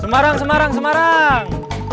semarang semarang semarang